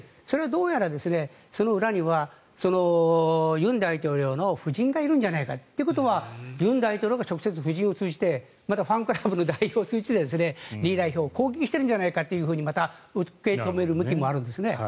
どうやらその裏には尹大統領の夫人がいるんじゃないかということは尹大統領が直接、夫人を通じてファンクラブの代表を通じてイ代表を攻撃しているんじゃないかと受け止める向きもあるんですね。